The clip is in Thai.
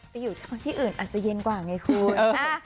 ไปอยู่ที่อื่นอาจจะเย็นกว่าไงคุณ